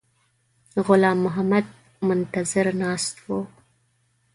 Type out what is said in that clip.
غلام محمد منتظر ناست وو.